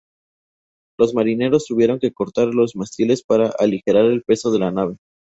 Los marineros tuvieron que cortar los mástiles para aligerar el peso de la nave.